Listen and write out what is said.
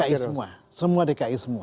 dki semua semua dki semua